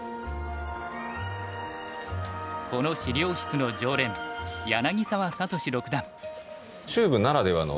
この資料室の常連柳澤理志六段。